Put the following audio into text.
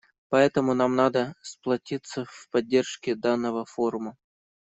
Поэтому нам надо сплотиться в поддержке данного форума.